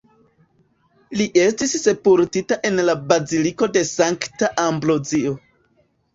Li estis sepultita en la Baziliko de Sankta Ambrozio.